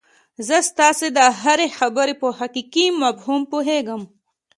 زه ستاسو د هرې خبرې په حقيقي مفهوم پوهېږم.